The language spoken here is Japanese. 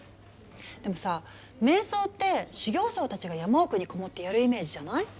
でもさ瞑想って修行僧たちが山奥に籠もってやるイメージじゃない？